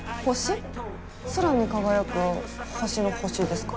空に輝く星の星ですか？